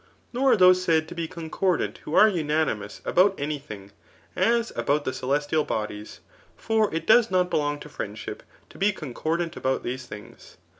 Nor are those said to be concordant who are unanimous about any things aa about the celestial bodies ; for it does not belong to friendship to be con cordant about these things.